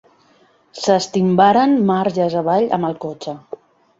S'estimbaren marges avall amb el cotxe.